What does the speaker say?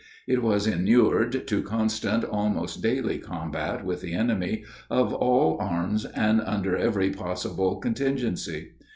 It was inured to constant, almost daily, combat with the enemy, of all arms and under every possible contingency.